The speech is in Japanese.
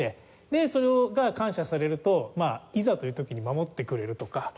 でそれが感謝されるといざという時に守ってくれるとか。